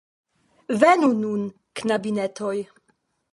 Venu nun, knabinetoj!